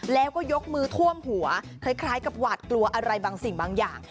แล้วก็ยกมือท่วมหัวคล้ายกับหวาดกลัวอะไรบางสิ่งบางอย่าง